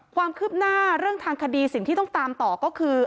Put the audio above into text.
ความคืบหน้าเรื่องทางคดีสิ่งที่ต้องตามต่อก็คือ